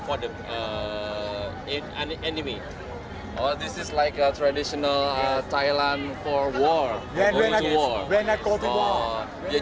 pertama ini seperti pakaian tradisional dari thailand untuk perang